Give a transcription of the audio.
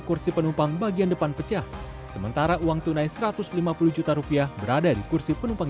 kursi penumpang bagian depan pecah sementara uang tunai satu ratus lima puluh juta rupiah berada di kursi penumpang